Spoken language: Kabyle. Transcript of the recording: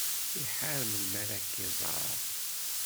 Iḥar melmi ara k-iẓer.